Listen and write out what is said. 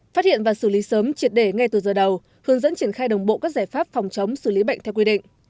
phát hiện và xử lý sớm triệt để ngay từ giờ đầu hướng dẫn triển khai đồng bộ các giải pháp phòng chống xử lý bệnh theo quy định